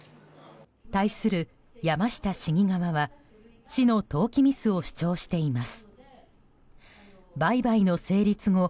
対する山下市議側は市の登記ミスを主張しています。